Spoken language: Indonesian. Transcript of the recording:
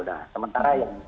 nah sementara yang